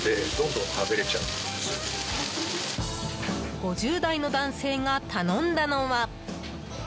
５０代の男性が頼んだのは。